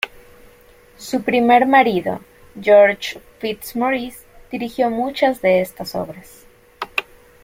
Su primer marido, George Fitzmaurice, dirigió muchas de estas obras.